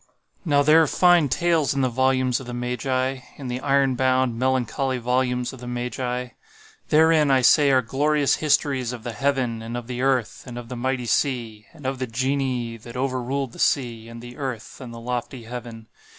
Now there are fine tales in the volumes of the Magi—in the iron bound, melancholy volumes of the Magi. Therein, I say, are glorious histories of the Heaven, and of the Earth, and of the mighty sea—and of the Genii that over ruled the sea, and the earth, and the lofty heaven.